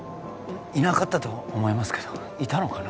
いなかったと思いますけどいたのかな？